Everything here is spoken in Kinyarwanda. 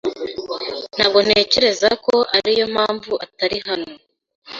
Ntabwo ntekereza ko ariyo mpamvu atari hano.